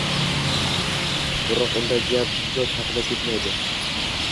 biroq unda gap Djosg haqida ketmaydi.